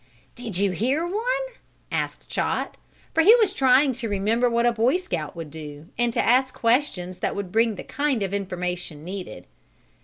"Did you hear one?" asked Chot, for he was trying to remember what a Boy Scout would do, and to ask questions that would bring the kind of information needed.